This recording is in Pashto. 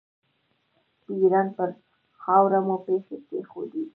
د ایران پر خاوره مو پښې کېښودې.